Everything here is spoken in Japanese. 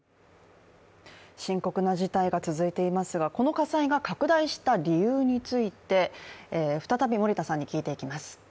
深刻な事態が続いていますがこの火災が拡大した理由について再び森田さんに聞いていきます。